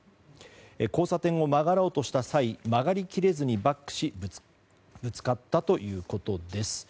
交差点を曲がろうとした際曲がり切れずにバックしぶつかったということです。